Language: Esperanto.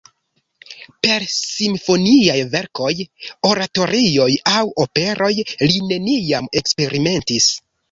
Per simfoniaj verkoj, oratorioj aŭ operoj li neniam eksperimentis.